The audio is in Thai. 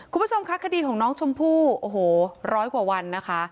คุณผู้ชมคะคดีของน้องชมพู่โอ้โหร้อยกว่าวันนะคะ